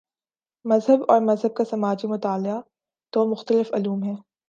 مذہب اور مذہب کا سماجی مطالعہ دو مختلف علوم ہیں۔